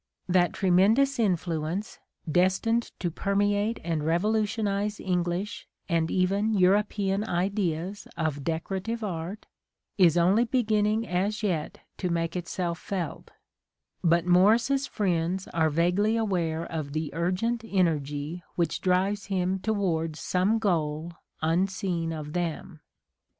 That tre mendous influence, destined to permeate and revolutionize English and even European ideas of decorative art, is only beginning as yet to make itself felt : but Morris's friends are vaguely aware of the urgent energy which drives him towards some goal unseen of them.